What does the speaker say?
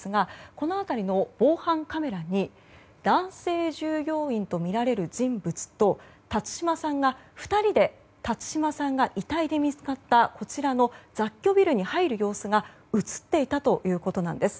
この辺りの防犯カメラに男性従業員とみられる人物と辰島さんが２人で辰島さんが遺体で見つかったこちらの雑居ビルに入る様子が映っていたということです。